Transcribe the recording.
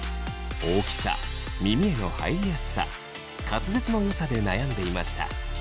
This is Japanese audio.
大きさ・耳への入りやすさ・滑舌の良さで悩んでいました。